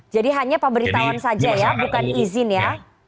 jadi hanya pemberitahuan saja ya bukan izin ya